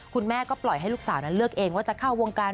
คุณแม่ก็ปล่อยให้ลูกสาวนั้นเลือกเองว่าจะเข้าวงการ